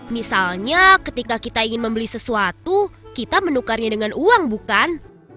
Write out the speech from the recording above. misalnya ketika kita ingin membeli sesuatu kita menukarnya dengan uang bukan